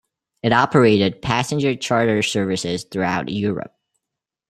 It operated passenger charter services throughout Europe.